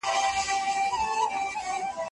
غوره والی یو عمل نه بلکې عادت دی.